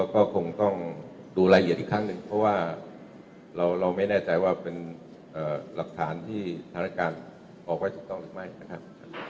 ก็คงต้องดูรายละเอียดอีกครั้งหนึ่งเพราะว่าเราไม่แน่ใจว่าเป็นหลักฐานที่สถานการณ์ออกไว้ถูกต้องหรือไม่นะครับ